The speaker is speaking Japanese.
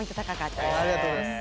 ありがとうございます。